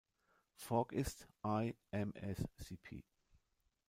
Fork ist I-mscp.